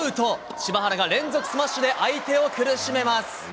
柴原が連続スマッシュで相手を苦しめます。